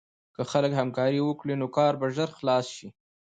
که خلک همکاري وکړي، نو کار به ژر خلاص شي.